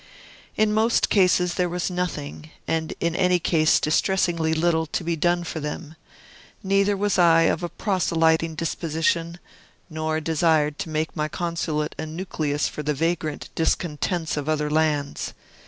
In most cases there was nothing, and in any case distressingly little, to be done for them; neither was I of a proselyting disposition, nor desired to make my Consulate a nucleus for the vagrant discontents of other lands.